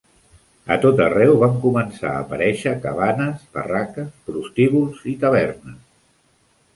A tot arreu van començar a aparèixer cabanes, barraques, prostíbuls i tavernes.